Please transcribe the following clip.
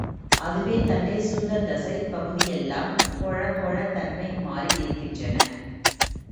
அதுவே தண்ணீர் சூழ்ந்த தசைப் பகுதியெல்லாம் கொழகொழத் தன்மை மாறி இருக்கின்றன.